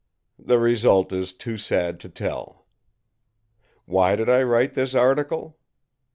The result is too sad to tell. Why did I write this article?